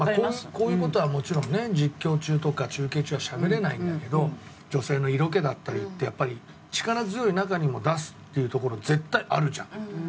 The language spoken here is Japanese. こういう事はもちろんね実況中とか中継中はしゃべれないんだけど女性の色気だったりってやっぱり力強い中にも出すっていうところ絶対あるじゃん。